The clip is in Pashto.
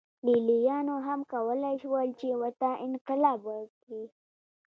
لېلیانو هم کولای شول چې ورته انقلاب وکړي.